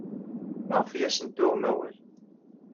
Maɣef ay asent-tuɣem awal?